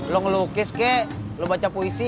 lo ngelukis kek lo baca puisi